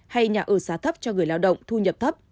hay nhà ở giá thấp cho người lao động thu nhập thấp